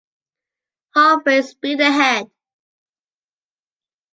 Halfway speed ahead!